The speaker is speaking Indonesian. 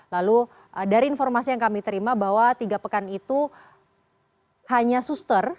lalu dari informasi yang kami terima bahwa tiga pekan itu hanya suster